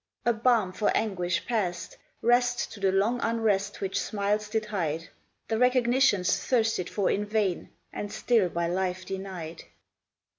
A balm for anguish past, Rest to the long unrest which smiles did hide ; The recognitions thirsted for in vain, And still by life denied.